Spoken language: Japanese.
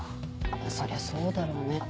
そりゃそうだろうね